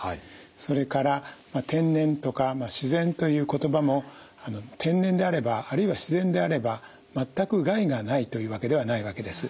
それから「天然」とか「自然」という言葉も天然であればあるいは自然であれば全く害がないというわけではないわけです。